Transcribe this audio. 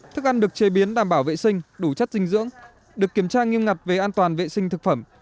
thức ăn được chế biến đảm bảo vệ sinh đủ chất dinh dưỡng được kiểm tra nghiêm ngặt về an toàn vệ sinh thực phẩm